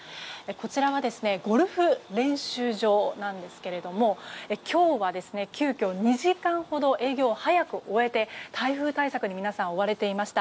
こちらはゴルフ練習場なんですけれども今日は、急きょ２時間ほど営業を早く終えて台風対策に皆さん、追われていました。